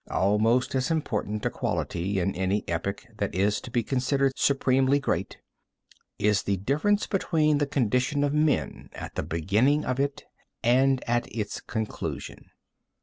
Almost as important a quality in any epoch that is to be considered supremely great, is the difference between the condition of men at the beginning of it and at its conclusion.